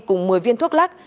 cùng một mươi viên thuốc lắc